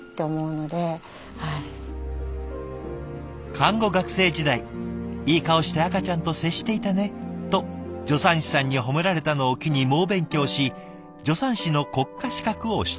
看護学生時代「いい顔して赤ちゃんと接していたね」と助産師さんに褒められたのを機に猛勉強し助産師の国家資格を取得。